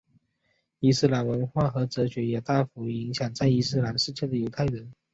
伊斯兰文化和哲学也大幅影响在伊斯兰世界的犹太人。